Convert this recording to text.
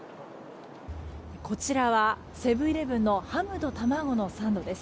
こちらはセブン‐イレブンのハムとたまごのサンドです。